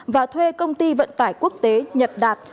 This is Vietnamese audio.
và thuê công ty vận tải quốc tế nhật đạt